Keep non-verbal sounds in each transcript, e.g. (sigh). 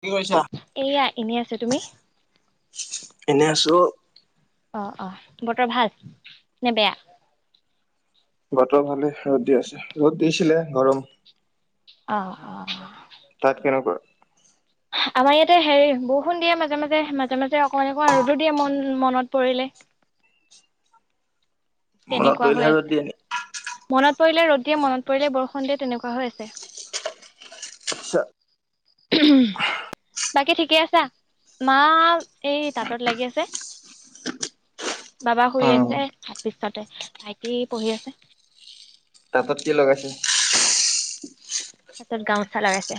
কি কৈছা এয়া এনেই আছো তুমি এনে আছো। অ' অ' বতৰ ভাল নে বেয়া? বতৰ লাহেকে ৰ'দ দি আছে ৰ'দ দিছিলে গৰম অ' অ' তাত কেনেকুৱা? আমাৰ ইয়াতে হেৰি বৰষুণ দিয়ে মাজে, মাজে, মাজে, মাজে অকমান, অকমান ৰ'দো দিয়ে মন-মনত পৰিলে। মনত তেনেকুৱা পৰিলে হৈ হে আছে ৰ'দ দিয়ে। মনত পৰিলে ৰ'দ দিয়ে, মনত পৰিলে বৰষুণ দিয়ে তেনেকুৱা হৈ আছে, আচ্ছা বাকী ঠিকে আছা? মা এই তাঁতত লাগি আছে, বাবা শুই আছে। উম পিছতে ভাইটি পঢ়ি আছে তাৰ পৰা কি লগাইছে? পিছত গামোচা লগাইছে।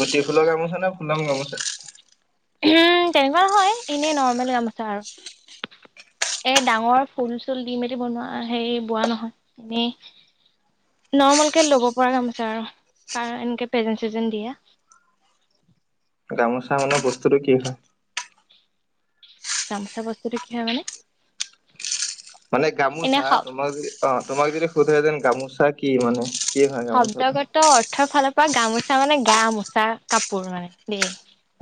গুটি ফুলৰ গামোচা নে ফুলাম গামোচা? উম, তেনেকুৱা নহয়। এনেই নৰ্মেল গামোচা আৰু এ, ডাঙৰ ফুল-চুল দি মেলি বনোৱা, হেৰি বোৱা নহয়। এনেই নৰ্মেলকে ল'ব পৰা গামোচা আৰু কাৰ, এনেকে প্ৰেজেণ্ট-চেজেণ্ট দিয়ে গামোচা মানে বস্তুটো কি হয়? গামোচা বস্তুটো কি হয় মানে? মানে, এনে গামোচা খাওক তোমাক যদি, অ', তোমাক যদি সোধে দেন গামোচা কি মানে? কি হয় গামোচাটো শব্দগত অৰ্থৰ ফালৰ তই গামোচা মানে গা মোচা কাপোৰ মানে দেই,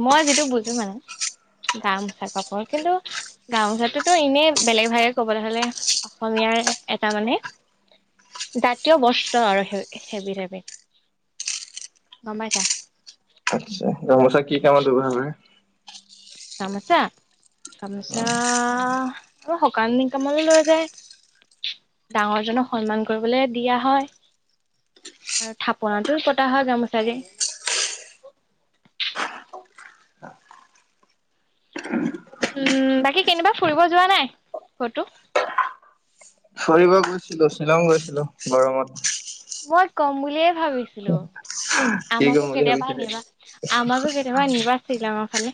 মই যিটো বুজো মানে গা মোচা কাপোৰ কিন্তু গামোচাটোতো এনেই বেলেগ ভাগে ক'বলৈ হ'লে অসমীয়াৰ এটা মানে জাতীয় বস্ত্ৰ আৰু সেই সেইবিধ এবিধ গম পাইছা? গামোচা কি কামত ব্যৱহাৰ কৰে? গামোচা, গামোচা সকাম নিকাম লৈ যায়, ডাঙৰজনক সন্মান কৰিবলৈ দিয়া হয়, আৰু থাপনাটো পতা হয়, গামোচাৰে উম, বাকী কেনিবা ফুৰিব যোৱা নাই ক'তো? ফৰিব গৈছিলোঁ, শ্বিলং গৈছিলোঁ গৰমত। মই কম বুলিয়ে ভাবিছিলোঁ। কি কৰিম আমাকো বুলি কেতিয়াবা ভাবিছিলি নিবা, আমাকো কেতিয়াবা নিবা শ্বিলংৰ ফালে।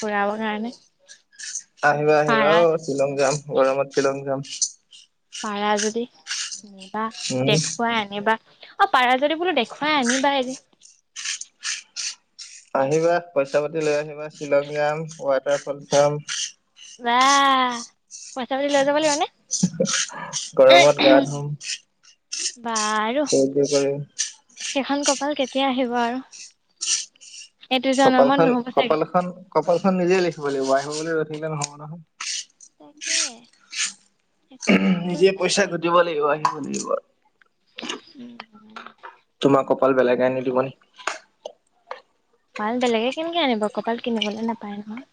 ফুৰাবৰ কাৰনে। আহিবা, আহিবা অ', শ্বিলং যাম। (unintelligible) শ্বিলং যাম। পাৰা যদি নিবা, উম দেখুৱাই আনিবা। অ', পাৰা যদি বোলো দেখুৱাই আনিবা এদিন। আহিবা, পইচা পাতি লৈ আহিবা, শ্বিলং যাম, ৱাটাৰফল চাম। বা পইচা পাতি লৈ যাব লাগিবনে? গৰমত গা ধুম, (unintelligible) বাৰু কৰিম। বাৰু কপালখন, কপালখন, কপালখন নিজে লিখিব লাগিব আহিব বুলি ৰৈ কিমান (unintelligible) তাকে। এখন নিজে পইচা তাকে ঘটিব লাগিব, হয়। শনিবাৰ। উম, তোমাৰ কপাল বেলেগ আনি দিব নি? পাল বেলেগে কেনেকে আনিব, কপাল কিনিবলৈ নাপায় নহয়।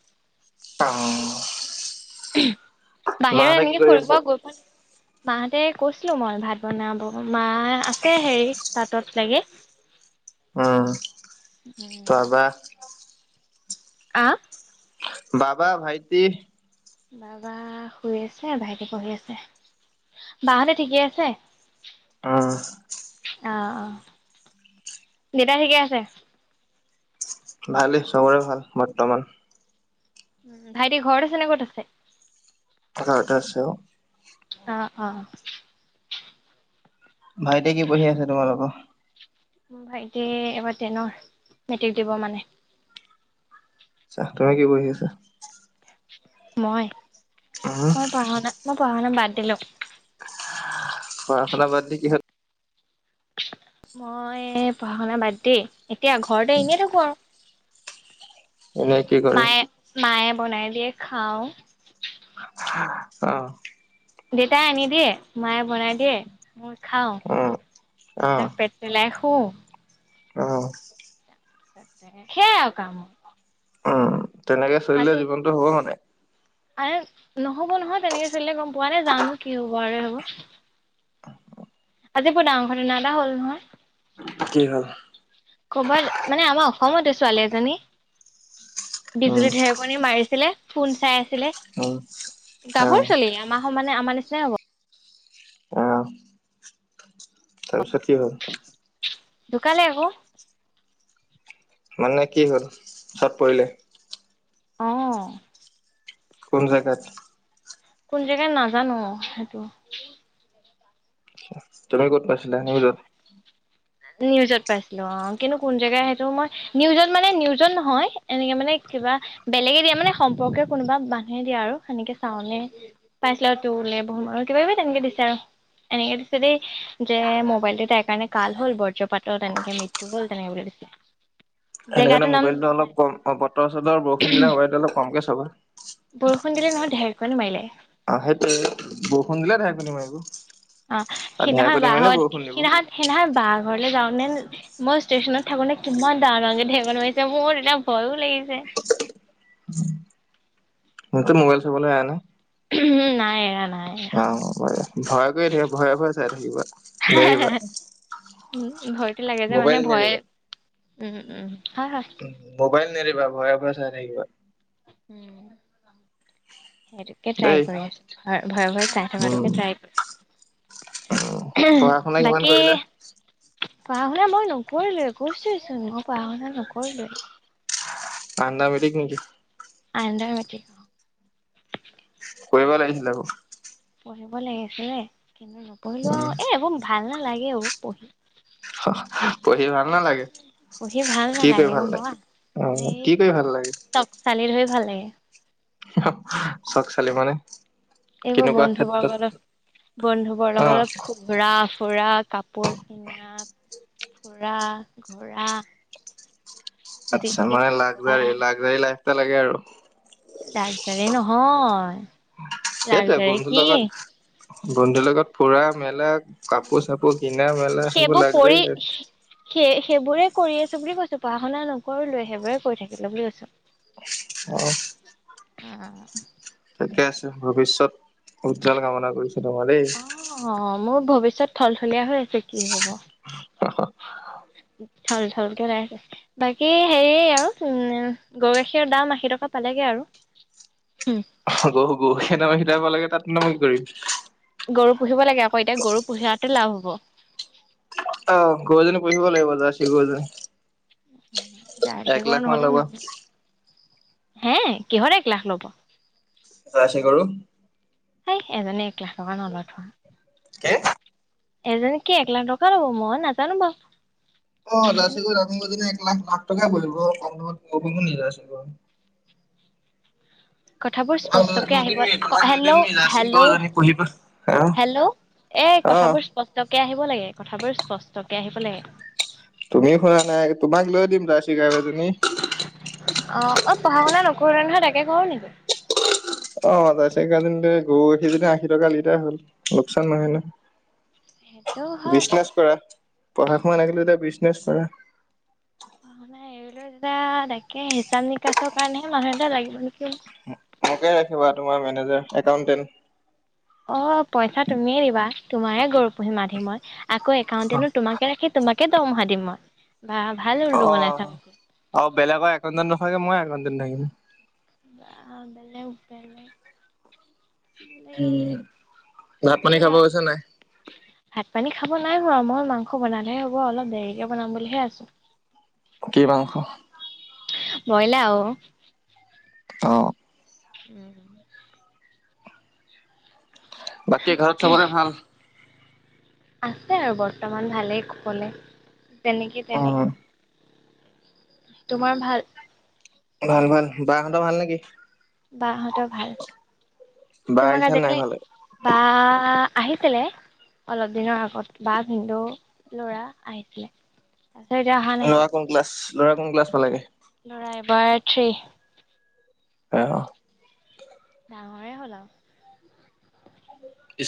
(inaudible) বাহিৰত মাহঁতে কি এনেকে কৰি ফুৰিব আছে গৈ পোৱানাই। মাহঁতে কৈছিলো মই ভাত বনাব মা আছে হেৰি তাতত লাগি। উম তাৰপা? আহ বাবা ভাইটি। বাবা শুই আছে ভাইটি পঢ়ি উম আছে ভালেই চবৰে ভাল বৰ্তমান ভাইটি ঘৰত আছে নে ক'ত আছে ঘৰতে আছে অ আহ আহ ভাইটি কি পঢ়ি আছে তোমালোকৰ ভাইটি আচ্ছা তুমি কি পঢ়ি আছা মই উম মই পঢ়া না পঢ়াশুনা বাদ দিলো। পঢ়া শুনা বাদ দি কিহত মই পঢ়া শুনা বাদ দি এতিয়া ঘৰতে এনেয়ে থাকো আৰু এনে কি কৰি মায়ে মায়ে বনাই দিয়ে খাওঁ অ দেউেতাই আনি দিয়ে মায়ে বনাই দিয়ে খাওঁ উম, তাৰপছছত পেট পেলাই স অ সেয়াই আৰু কামৰ উম তেনেকে চলিলে জীৱনটো হ'ব মানে আ নহ'ব নহয় তেনেকে চলিলে গম পোৱা নাই জানো কি হ'ব আৰু হব আজি পোৰ ডাঙৰ ঘটনা এটা হ'ল নহয় কি হল ক'বাত মানে আমাৰ অসমতো ছোৱালী এজনী বিজুলী উম, ঢেৰকণী মাৰিছিলে কোন চাই উম, গাভৰ আহ, চোৱালি মমাহ মানে আমাৰ নিচিনাই হ'ব আহ, তাৰপিছত কি হ'ল? ধুকালে আকৌ মানে কি হ'ল চত পৰিলে? আহ। কোন জাগাত? কোন জেগাত নাজানো সেইটো তুমি ক'ত পাইছিলা এনে বজত নিউজত পাইছিলো। অ' কিন্তু কোন জেগা সেইটো মই নিউজত মানে নিউজত নহয় এনেকে মানে কিবা বেলেগে দিয়া মানে সম্পৰ্কে কোনোবা মানুহে দিয়া আৰু সেনেকে চাওনে পাইছিলো আৰু তোৰলে বহু মানুহ কিবা কিবি তেনেকে দিছে আৰু এনেকে দিছে দেই যে মোবাইল তাইৰ কাৰণে কাল। হ'ল বজ্ৰ পাতৰ তেনেকে মৃত্যু হ'ল তেনেকে বুলি দিছে। সেইতো কাৰণে জেগাটোৰ নাম মবাইলটো অলপ কম বতৰ চতৰ বৰষুণ দিলে মোবইলটো অলপ কম হ'ব। বৰষুণ দিলে নহয় ঢেৰেকণী মাৰিলে। অ', সেইটোৱে, বৰষুণ দিলে ঢেৰেকণী মাৰিব। অ' আৰু সিদিনাখন ঢেৰেকনি মাৰিলে বাহ'ত বৰষুণ দিব, সেদিনাখন সেদিনাখন বাৰ ঘৰলে যাওঁ মানে মই ষ্টেশচনত থাকোতে কিমান ডাঙৰ ডাঙাৰকে ঢেৰেকণী মাৰিছে, মোৰ তেতিয়া ভয়ো লাগিছে। মইতো মোবাইল চবলৈ এৰা নাই। উম নাই এৰা নাই। এৰা অ' (unintelligible) ভয় কৰি থাকিবা, ভয়ে ভয়ে চাই থাকিবা। নেৰিবা, উ, ভয়তো লাগে যে মানে মোবাইল ভয়ে নেৰিবা। উম, হু, উম। হয়, হয়। মোবাইল নেৰিবা ভয়ে ভয়ে চাই থাকিবা। উম সেইটোকে ট্ৰাই দেই কৰি আছোঁ, হ, ভয়ে ভয়ে চাই থকা উম টোকে ট্ৰাই, পঢ়া শুনা কিমান বাকী কৰিলে পঢ়া শুনা মই নকৰিলোৱে, কৈছোৱেচোন, মই পঢ়া শুনা ন কৰিলোৱে। আণ্ডাৰ মেট্ৰিক নেকি? Under matric. পঢ়িব লাগিছিলে আকৌ। পঢ়িব লাগিছিলে। কিন্তু নপঢ়িলো আৰু, উম এ (unintelligible) ‌ ভাল না লাগে অ' পঢ়ি পঢ়ি ভাল নালাগে, পঢ়ি ভাল কি কৰি নালাগে গম ভাল লাগে? পাবা উম, এই কি কৰি ভাল লাগে? চক চালি ধৰি ভাল লাগে (unintelligible) মানে? এইবোৰ কেনেকুৱা ক্ষেত্ৰত বন্ধুবৰ্গৰ বন্ধুবৰ্গ অ লগত খুব ৰাফ। ফুৰা কাপোৰ কিনা, ফুৰা ঘুৰা আচ্ছা মানে লাক্সাৰি লাক্সাৰি লাইফ এটা লাগে আৰু। লাক্সাৰি নহয় সেইটোৱেই লাগজাৰী বন্ধুৰ কি লগত বন্ধুৰ লগত ফুৰা মেলা কাপোৰ চাপোৰ কিনা মেলা সেইবোৰ লাক্সাৰি লাইফ। সেই সেইবোৰে কৰি আছো বুলি কৈছো, পঢ়া শুনা নকৰিলোৱে সেইবোৰে কৈ থাকিলো বুলি কৈছো। অ'। অ'। ঠিকে আছে ভৱিষ্যত উজ্জ্বল কামনা কৰিছো তোমাৰ দেই। অ মোৰ ভৱিষ্যত থলথলীয়া হৈ আছে কি হ'ব। থল থলকে লাই, বাকী হেৰি আৰু উম' গৰু গাখীৰৰ দাম আশী টকা পালেগে আৰু। গৰু গৰু (unintelligible) লাগে তাত (unintelligible) গৰু পুহিব লাগে আকৌ এতিয়া গৰু পুহাটো লাভ হ'ব। অ' গৰুজনী পুঢ়হিব লাগিব। যাৰছি গৰু এজনী (unintelligible) (inaudible) (unintelligible) হে, কিহৰ এক লাখ ল'ব। যাৰছি গৰু সেই এজনে এক লাখ টকা ন'লৈতো। কে। এজনী কি এক লাখ টকাৰ ল'ব মই নাজানো বাৰু। অ কিন্তু যাৰ্চি গৰু (unintelligible) লাখ লাখ টকাই পৰিব কম দামত যাচিৰ গৰু পাবি। কথাবোৰ তোমাক স্পষ্টকে আহিব লৈ দিম নি তোমাক লৈ হেল্ল' দিম নি জাৰ্চি হেল্ল' গৰুজনী পুহিবা হা হেল্ল' এই অ কথাবোৰ স্পষ্টকে আহিব লাগে। এই কথাবোৰ স্পষ্টকৈ আহিব লাগে। তুমি শুনা নাই তোমাক লৈ দিম যাচি গাই এজনী। আমনি অ (inaudible) অ পঢ়া শুনা নকৰো নহয় তাকে কৰো নেকি? অ যাৰ্চি গাই এজনী লৈ গৰু গাখীৰ যদি আজি টকা লিটাৰ হয়। লোকচান নাই নহয় সেইটো ন। হয় বিজনেছ কৰা পঢ়া শুনা এৰা এতিয়া বিজনেছ কৰা। পঢ়া শুনা এইৰিলো যদি তাকে হিচাম নিকাচৰ কাৰণেহে মানুহ এটা লাগিব নেকি? মোকে ৰাখিবা তোমাৰ মেনেজাৰ একাউন্টেণ্ট। অ পইচা তুমিয়ে দিবা তোমাৰে গৰুৰ পুহি ম আাধি মই আক একাউণ্টে ৰাহি তোমাকে ৰাখে তোমাক তোকেইেতোহা দৰমহা দিম মই। বা ভাল অ উলো বনাইছা মোকো আৰু বেলেগৰ একনজন নহয়গে মই াইে (unintelligible) আ বলেে উবলে (unintelligible) বেলেগাও দ উম, ভাত পানী খাব বেলেগাও গৈছা নাই? পানী খাব নাই বাৰ আৰু মই মাংস বনালেহে হ'ব অলপ দেৰিকে বনাম বুলিহে আছো। কি মাংস? ব্ৰইলা অ অ! উম! বাকী ঘৰত চবৰে ভাল? আছে আৰু বৰ্তমান ভালেই ক'বলৈ! তেনেকেই অ, তেনেকেই তোমাৰ ভাল? ভাল ভাল বাহ খত ভাল নেকি? বাহহঁতৰ ভাল বা তোমাক আহিছে নাই আজিকালি ঘৰলে? ব আহিছিলে অলপ দিনৰ আগত বা ভিন্দু ল'ৰা আহিছিলে। তাৰপিছত এতিয়া অহা নোৱা ক ক্লাছ ল'ৰা কোন ক্লছ পালাগে। ল'ৰাই এবাৰ থ্ৰী আহ! ডাঙৰে হ'ল আৰু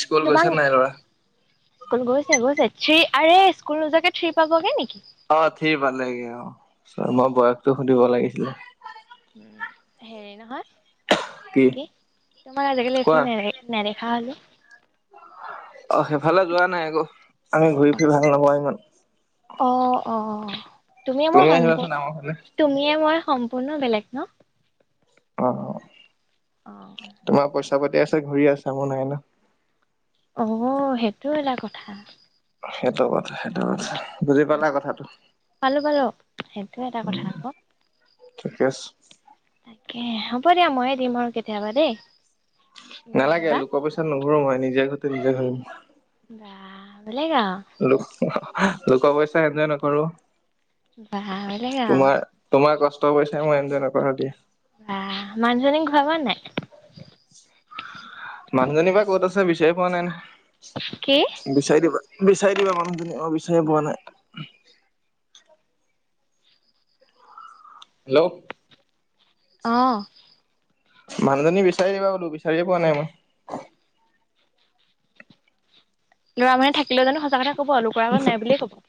স্কুল তোমাক গৈছে নাই ল'ৰা? (inaudible) স্কুল গৈছে গৈছে। থ্ৰী আৰে স্কুল নোহোৱাকৈ থ্ৰী পাবগে নেকি? অ থ্ৰী পালেগে অ মই বয়সটো সুধিব লাগিছিলে। উম, হেৰি নহয়। কি, তোমাক আজিকালি কোৱা এইফালে নে নেদেখা হলো? অ, সেইফালে যোৱা নাই আকৌ, আমি ঘূৰি ফুৰি ভাল নাপাওঁ ইমান। অ অ তুমিয়ে মই তুমি আহিবাচোন সম্পূৰ্ণ আমাৰ ফালে। (inaudible) তুমিয়ে মই সম্পূৰ্ণ বেলেগ ন? অ' অ' অ (inaudible) ঘূৰি আছা মোৰ নাই ন? অ, সেইটোও এটা কথা। সেইটো (inaudible) সেইটো (inaudible) বুজি পালা সেইটো কথাটো পালো পালো সেইটো এটা উ কথা আকৌ ঠিকে আছে। তাকে হ'ব দিয়া। ময়ে দিম আৰু কেতিয়াবা দেই। তুমি নালাগে, আহিবা লোক পইচাত নুঘুৰো মই নিজে (inaudible) (inaudible) (inaudible) (inaudible) লোকৰ পইচা এনজয় নকৰো। বাহ! বেলেগ আৰু। তোৰ পইছাৰে মই এনজয় নকৰোঁ দে। বাহ, মানুহজনীক (unintelligible) পোৱা নাই। মানুহজনী বা ক'ত আছে, বিচাৰি পোৱা নাই। কি বিচাৰি দিবা। বিচাৰি দিবা মানুহজনী অ', বিচাৰি পোৱা নাই। হেল্ল'। অ'। মানুহজনী বিচাৰি দিবা বোলো, বিচাৰিয়ে পোৱা নাই মই। ল'ৰা মানুহে থাকিলে জানো সঁচা কথা ক'ব, আৰু লোকৰ আগত নাই বুলিয়ে ক'ব।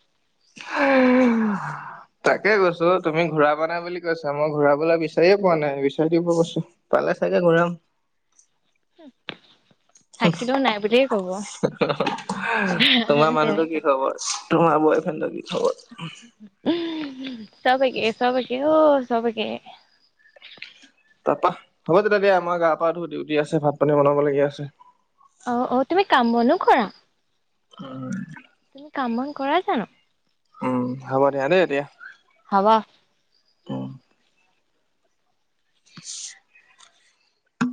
তাকে কৈছোঁ, তুমি ঘূৰাব নাই বুলি কৈছা, মই ঘূৰাবলৈ বিচাৰিয়ে পোৱা নাই, বিচাৰি দিব কৈছোঁ, পালে চাগে ঘূৰাম। থাকিলেও নাই বুলিয়ে ক'ব তোমাৰ মানুহটোৰ তেনেকুৱা কি খবৰ? তোমাৰ বয়ফ্ৰেণ্ডৰ কি (unintelligible) সব একে, সব একে অ', সব একে। তাৰপা, হ'ব তেতিয়া দিয়া, মই গা পা ধুওঁ, ডিউটি আছে, ভাত পানী বনাবলগীয়া আছে। অ', অ', তুমি কাম বনো কৰা। হয়। তুমি কাম বন কৰা জানো। উম হ'ব দিয়া দেই এতিয়া। হাৱা উম ইছ